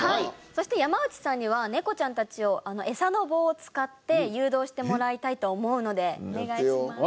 そして山内さんにはネコちゃんたちをエサの棒を使って誘導してもらいたいと思うのでお願いします。